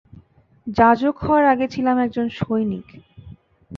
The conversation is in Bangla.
যাজক হওয়ার আগে ছিলাম একজন সৈনিক।